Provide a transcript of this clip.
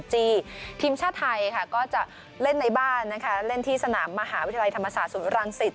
ทีมชาติไทยค่ะก็จะเล่นในบ้านนะคะเล่นที่สนามมหาวิทยาลัยธรรมศาสตร์ศูนย์รังสิต